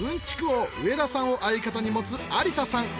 王上田さんを相方に持つ有田さん